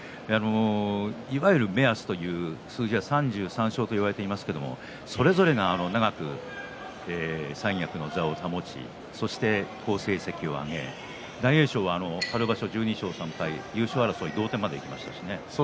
いわゆる目安という数字は３３勝といわれていますがそれぞれが長く三役の座を保ちそして好成績を挙げ大栄翔は春場所１２勝３敗優勝争い同点までいきましたね。